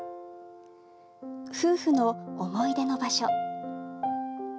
夫婦の思い出の場所。